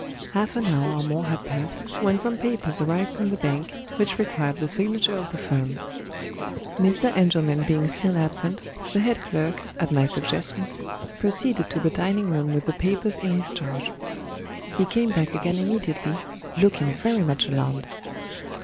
Half an hour or more had passed, when some papers arrived from the bank, which required the signature of the firm. Mr. Engelman being still absent, the head clerk, at my suggestion, proceeded to the dining room with the papers in his charge. He came back again immediately, looking very much alarmed.